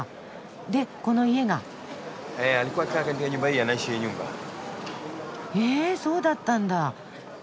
でこの家が。えそうだったんだ。